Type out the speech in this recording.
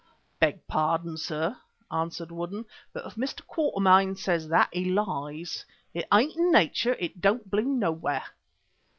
'" "Beg pardon, sir," answered Woodden, "but if Mr. Quatermain says that, he lies. It ain't in Nature; it don't bloom nowhere."